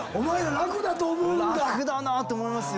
楽だなって思いますよ。